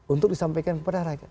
untuk disampaikan kepada rakyat